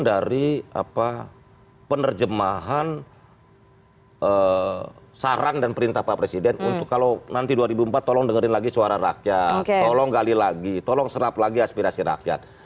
dari penerjemahan saran dan perintah pak presiden untuk kalau nanti dua ribu empat tolong dengerin lagi suara rakyat tolong gali lagi tolong serap lagi aspirasi rakyat